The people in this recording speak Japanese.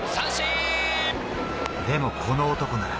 でもこの男なら。